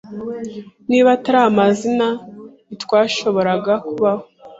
Niba atari amazi, ntitwashoboraga kubaho.